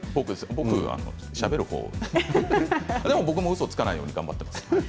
僕はしゃべる方なんででも僕もうそをつかないように頑張っています。